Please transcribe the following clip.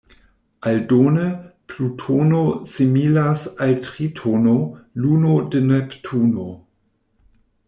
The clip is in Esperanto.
Aldone, Plutono similas al Tritono, luno de Neptuno.